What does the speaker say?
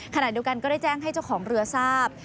ขณะเดียวกันก็ได้แจ้งให้เจ้าของเรือทราบ